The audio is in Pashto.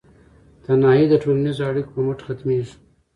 تنهایي د ټولنیزو اړیکو په مټ ختمیږي.